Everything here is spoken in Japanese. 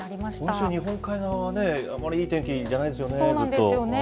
今週、日本海側はね、あまりいい天気じゃないですよね、ずっそうなんですよね。